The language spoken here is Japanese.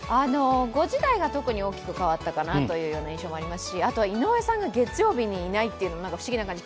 ５時台が特に大きく変わったかなという印象がありますしあとは井上さんが月曜日にいないって不思議な感じ。